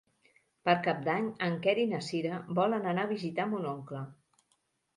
Per Cap d'Any en Quer i na Cira volen anar a visitar mon oncle.